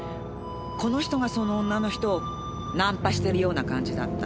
この人がその女の人をナンパしてるような感じだった。